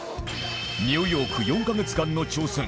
ニューヨーク４カ月間の挑戦